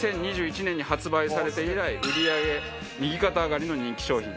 ２０２１年に発売されて以来売り上げ右肩上がりの人気商品。